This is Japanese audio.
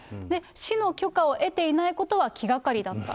市の許可を得ていないことは気がかりだった。